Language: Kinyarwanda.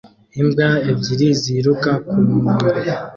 Imbwa ebyiri ziruka ku nkombe